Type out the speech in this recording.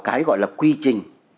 cái gọi là quy trình